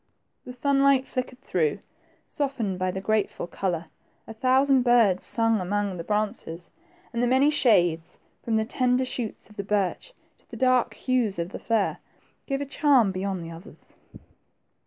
The sunlight flickered through, softened by the grateful color, a thousand birds sang among the branches, and the many shades, from the tender shoots of the birch to the dark hues of the fir, gave a charm beyond the others.